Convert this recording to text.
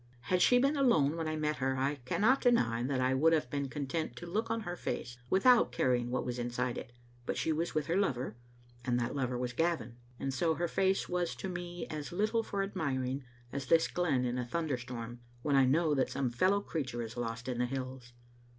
Had she been alone when I met her I can not deny that I would have been content to look on her face, without caring what was inside it ; but she was with her lover, and that lover was Gavin, and so her face was to me as little for admiring as this glen in a thunderstorm, when I know that some fellow creature is lost on the hills.